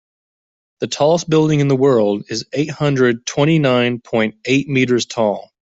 The tallest building in the world is eight hundred twenty nine point eight meters tall.